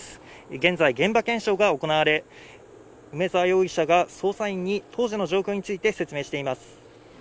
現在、現場検証が行われ梅沢容疑者が捜査員に当時の状況について話しています。